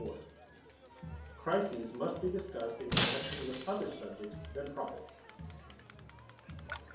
_Crises must be discussed in connection with other subjects than profits.